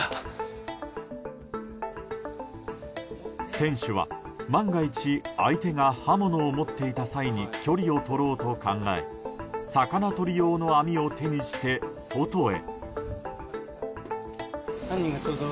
店主は、万が一相手が刃物を持っていた際に距離を取ろうと考え魚とり用の網を手にして外へ。